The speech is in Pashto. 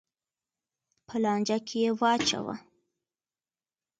په لانجه کې یې واچوه.